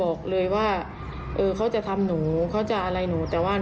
ก็คือนี่ช่วงของทำพูดคุยบนรถมันเกิดอะไรขึ้น